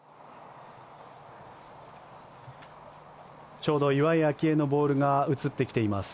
ちょうど岩井明愛のボールが映ってきています。